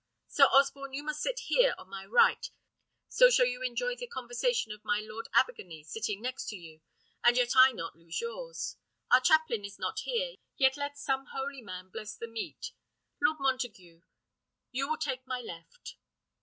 Sir Osborne, you must sit here on my right, so shall you enjoy the conversation of my Lord Abergany, sitting next to you, and yet I not lose yours. Our chaplain is not here, yet let some holy man bless the meat. Lord Montague, you will take my left."